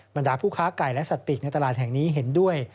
บรรดาผู้ค้าไก่และสัตว์ปีกในตลาดแห่งนี้เห็นด้วย